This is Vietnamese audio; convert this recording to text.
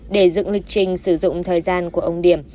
để dựng lịch trình sử dụng thời gian của ông điểm